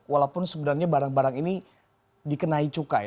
walaupun sebenarnya barang barang ini dikenai cukai